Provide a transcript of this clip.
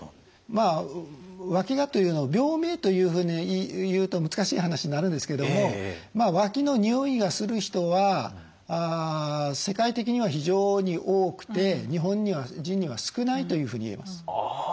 まあわきがというのを病名というふうにいうと難しい話になるんですけどもわきのにおいがする人は世界的には非常に多くて日本人には少ないというふうに言えます。